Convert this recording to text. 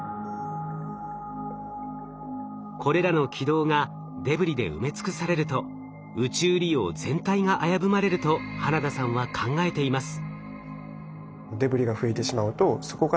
これらの軌道がデブリで埋め尽くされると宇宙利用全体が危ぶまれると花田さんは考えています。